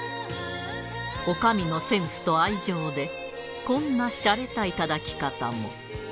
女将のセンスと愛情でこんなシャレたいただき方も